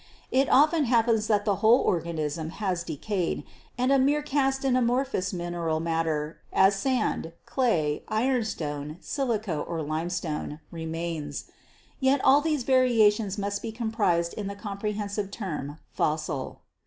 It often happens that the whole organism has decayed and a mere cast in amorphous mineral matter, as sand, clay, ironstone, silica or limestone, remains; yet all these variations must be comprized in the comprehensive term fossil."